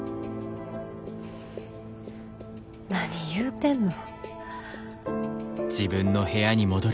何言うてんの。